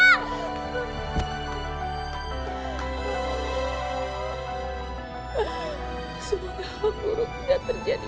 semua hal buruk sudah terjadi